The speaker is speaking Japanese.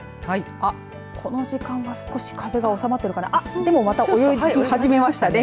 この時間は少し風が収まってるからでも、また泳ぎ始めましたね。